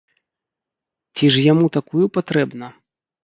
Ці ж яму такую патрэбна?